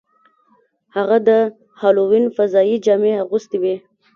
هغه د هالووین فضايي جامې اغوستې وې